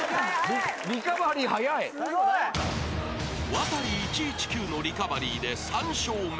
［ワタリ１１９のリカバリーで３笑目］